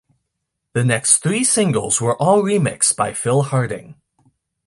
The next three singles were all remixed by Phil Harding.